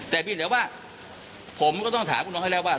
แต่เพียงแต่ว่าผมก็ต้องถามพวกน้องให้แล้วว่า